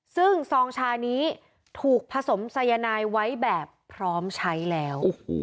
ซึ่งซองชานี้ถูกผสมสายนายไว้แบบพร้อมใช้แล้ว